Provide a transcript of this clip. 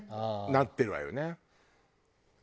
なってるわよね。